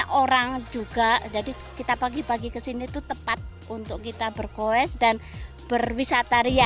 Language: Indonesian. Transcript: banyak orang juga jadi kita pagi pagi kesini itu tepat untuk kita berkoes dan berwisataria